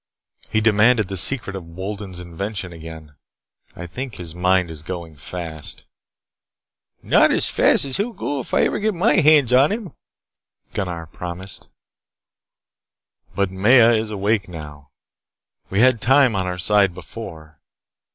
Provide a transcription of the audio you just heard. He demanded the secret of Wolden's invention again. I think his mind is going fast." "Not as fast as he will go if I ever get my hands on him," Gunnar promised. "But Maya is awake now," Ato explained. "We had time on our side before.